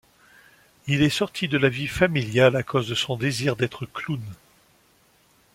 Il est sorti de la vie familiale à cause de son désir d'être clown.